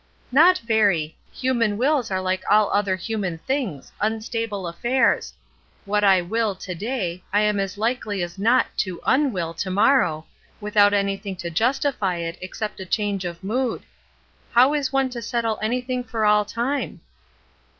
''Not very. Human wills are hke all other human things, — unstable affairs. What I will to day I am as Ukely as not to wn will to morrow, without anything to justify it except a change of mood. How is one to settle anything for all time?